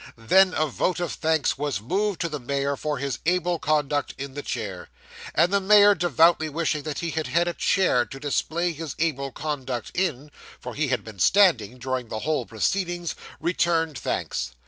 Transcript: Then a vote of thanks was moved to the mayor for his able conduct in the chair; and the mayor, devoutly wishing that he had had a chair to display his able conduct in (for he had been standing during the whole proceedings), returned thanks.